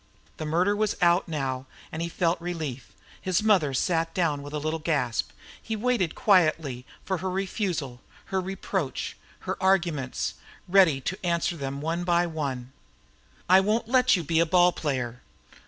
The murder was out now and he felt relief. His mother sat down with a little gasp. He waited quietly for her refusal, her reproach, her arguments, ready to answer them one by one. "I won't let you be a ball player."